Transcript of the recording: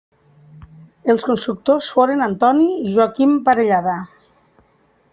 Els constructors foren Antoni i Joaquim Parellada.